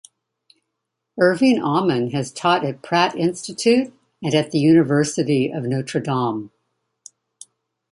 Irving Amen has taught at Pratt Institute and at the University of Notre Dame.